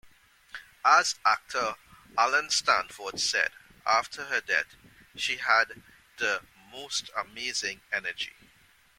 As actor Alan Stanford said after her death, She had the most amazing energy.